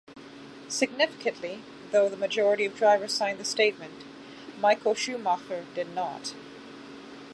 Significantly, though the majority of drivers signed the statement, Michael Schumacher did not.